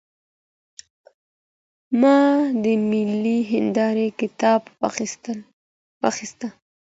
ما د ملي هنداره کتاب واخیست.